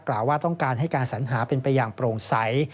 กล่าวว่าต้องการให้การสัญหาเป็นประอย่างโปร่งไซต์